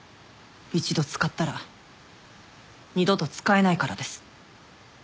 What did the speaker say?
一度使ったら二度と使えないからです。